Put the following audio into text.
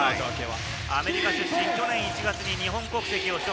アメリカ出身、去年１月に日本国籍を取得。